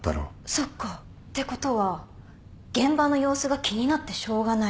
そっか。ってことは現場の様子が気になってしょうがない。